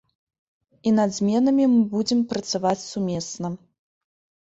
І над зменамі мы будзем працаваць сумесна.